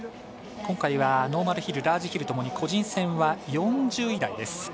今回はノーマルヒルラージヒルともに個人戦は４０位台です。